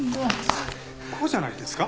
こうじゃないですか？